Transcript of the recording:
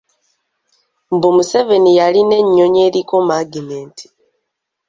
Mbu Museveni yalina ennyonyi eriko magineeti.